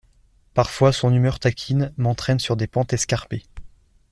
Parfois son humeur taquine m’entraîne sur des pentes escarpées.